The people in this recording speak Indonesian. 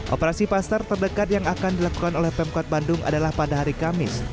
operasi pasar terdekat yang akan dilakukan oleh pemkot bandung adalah pada hari kamis